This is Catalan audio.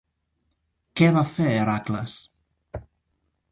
Què va fer Heràcles?